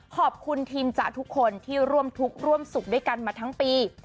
ขอบคุณทีมจากทุกคนที่ร่วมทุกข์ร่วมสุขด้วยกันมาทั้งปี